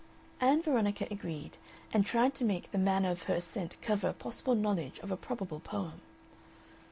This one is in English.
Ann Veronica agreed, and tried to make the manner of her assent cover a possible knowledge of a probable poem.